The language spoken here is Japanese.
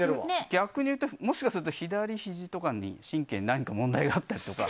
逆に言うともしかしたら左ひじとかに神経に何か問題があったりだとか。